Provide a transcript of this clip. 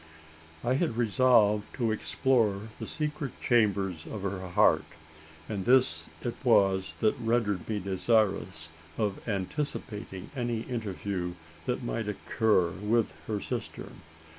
I had resolved to explore the secret chambers of her heart; and this it was that rendered me desirous of anticipating any interview that might occur with her sister.